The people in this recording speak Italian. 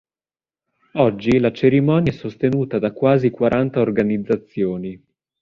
Oggi, la cerimonia è sostenuta da quasi quaranta organizzazioni.